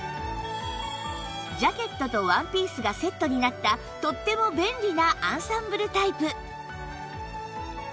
ジャケットとワンピースがセットになったとっても便利なアンサンブルタイプ